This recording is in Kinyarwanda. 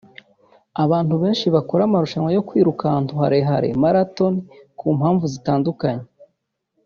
Abantu benshi bakora amarushanwa yo kwiruka ahantu harehare (marathon) ku mpamvu zitandukanye